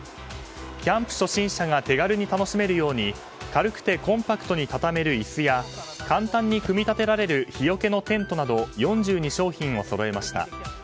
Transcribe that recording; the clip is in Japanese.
キャンプ初心者が手軽に楽しめるように軽くてコンパクトに畳める椅子や簡単に組み立てられる日よけのテントなど４２商品をそろえました。